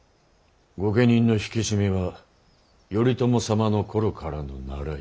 御家人の引き締めは頼朝様の頃からの習い。